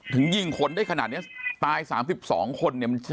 ถึงยิงคนได้ขนาดนี้ตาย๓๒คนเนี่ย